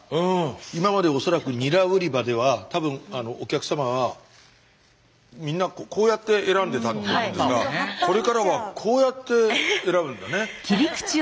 今まで恐らくニラ売り場では多分お客様はみんなこうやって選んでたと思うんですがこれからはこうやって選ぶんだね。